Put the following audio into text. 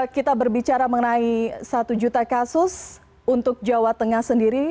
kita berbicara mengenai satu juta kasus untuk jawa tengah sendiri